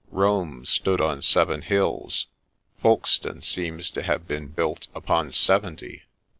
Rome stood on seven hills ; Folkestone seems to have been built upon seventy.